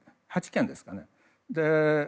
８件ですね。